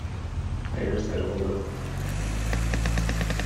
Players that hold a club record.